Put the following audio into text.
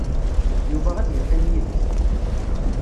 Yuba ad yeqqim yid-k.